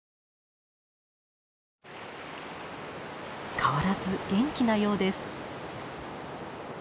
変わらず元気なようです。